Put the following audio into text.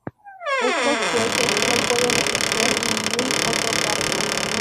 Estos jueces no pueden ejercer ningún otro cargo.